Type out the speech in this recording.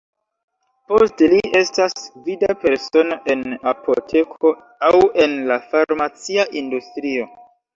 Poste li estas gvida persono en apoteko aŭ en la farmacia industrio.